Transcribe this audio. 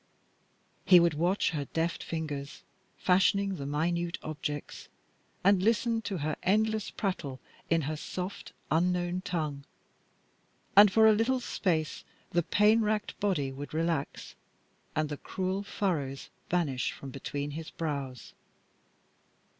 He would watch her deft fingers fashioning the minute objects, and listen to her endless prattle in her soft, unknown tongue, and for a little space the pain racked body would relax and the cruel furrows vanish from between his brows.